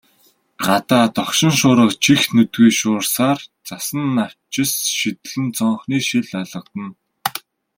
Гадаа догшин шуурга чих нүдгүй шуурсаар, цасан навчис шидлэн цонхны шил алгадна.